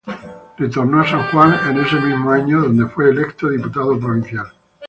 Retornó a San Juan en ese mismo año donde fue electo diputado provincial.